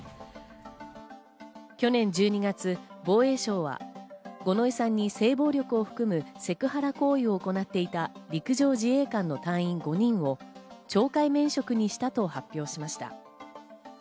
去年１２月、防衛省は五ノ井さんに性暴力を含むセクハラ行為を行っていた陸上自衛官の隊員５人を懲戒免職にしたと発表しました。